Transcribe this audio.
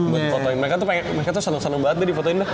buat fotoin mereka tuh mereka tuh seneng seneng banget nih di fotoin